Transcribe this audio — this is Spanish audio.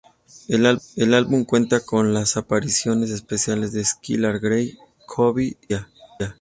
El álbum cuenta con las apariciones especiales de Skylar Grey, Kobe y Sia.